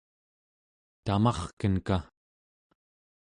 tamarkenka